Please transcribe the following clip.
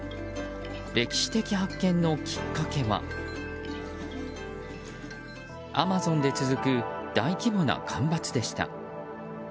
歴史的発見のきっかけはアマゾンで続く大規模な干ばつでした。